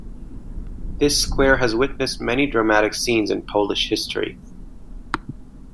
This square has witnessed many dramatic scenes in Polish history.